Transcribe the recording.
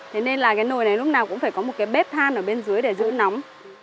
thế nên là cái nồi này lúc nào cũng phải có một cái bếp than ở bên dưới để giữ nóng